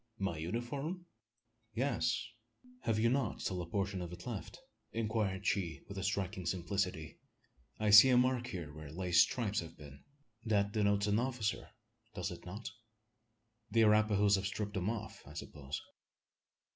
"My uniform?" "Yes. Have you not still a portion of it left?" inquired she, with a striking simplicity. "I see a mark here where lace stripes have been. That denotes an officer does it not? The Arapahoes have stripped them off, I suppose?"